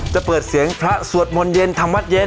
จะเปิดเสียงพระสวดมนต์เย็นทำวัดเย็น